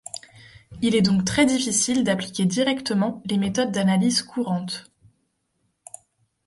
Il est donc très difficile d'appliquer directement les méthodes d'analyses courantes.